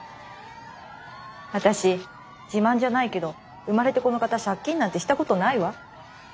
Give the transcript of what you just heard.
私自慢じゃないけど生まれてこのかた借金なんてしたことないわ。